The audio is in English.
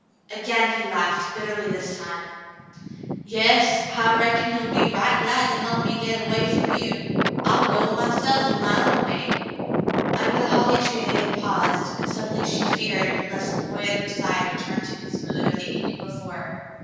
Again he laughed, bitterly this time. " Yas — I reckon he'll be right glad to help me get away from you. I'll go myse'f in my own way." Under the holly tree they had paused, and suddenly she feared lest the boy at her side return to his mood of the evening before.